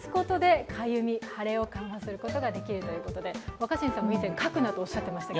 若新さんも以前、かくなとおっしゃっていましたが。